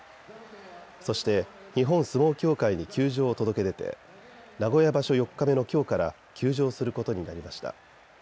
そして日本相撲協会に休場を届け出て名古屋場所４日目のきょうから休場することになりました。